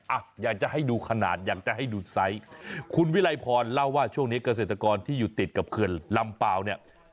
อ่ะอยากจะให้ดูขนาดอยากจะให้ดูไซส์คุณวิไลพรเล่าว่าช่วงนี้เกษตรกรที่อยู่ติดกับเขื่อนลำเปล่าเนี่ย